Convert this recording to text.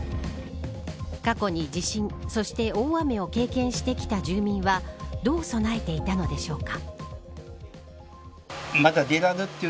過去に地震、そして大雨を経験してきた住民はどう備えていたのでしょうか。